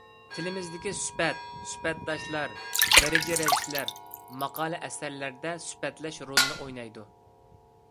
تىلىمىزدىكى سۈپەت، سۈپەتداشلار، دەرىجە رەۋىشلىرى ماقالە-ئەسەرلەردە سۈپەتلەش رولىنى ئوينايدۇ.